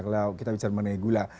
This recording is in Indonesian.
kalau kita bicara mengenai gula